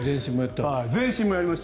全身もやりました。